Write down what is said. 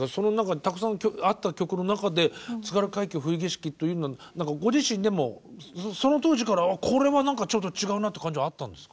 たくさんあった曲の中で「津軽海峡・冬景色」というのはご自身でもその当時からこれは何かちょっと違うなって感じはあったんですか？